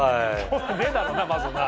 興味ねえだろうなまずな。